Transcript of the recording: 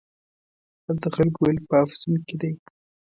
هلته خلکو ویل په افسون کې دی.